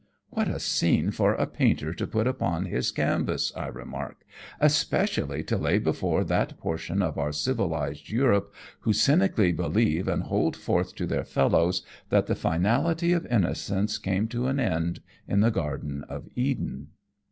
" What a scene for a painter to put upon his canvas !" I remark ;" especially to lay before that portion of our civilized Europe who cynically believe and hold forth to their fellows that the finality of innocence came to an end in the Garden of Eden."